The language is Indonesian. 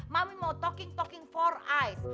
mami mau talking talking four eyes